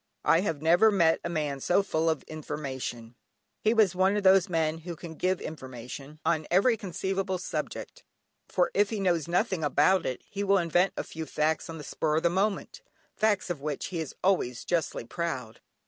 I have never met a man so full of information. He was one of those men who can give information on every conceivable subject, for if he knows nothing about it, he will invent a few facts on the spur of the moment, facts of which he is always justly proud.